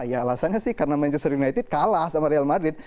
ya alasannya sih karena manchester united kalah sama real madrid